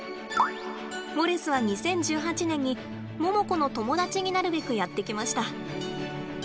ウォレスは２０１８年にモモコの友達になるべくやって来ました。